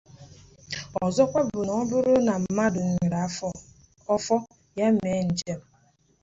Ọzọkwa bụ na ọ bụrụ na mmadụ were ọfọ ya mee njem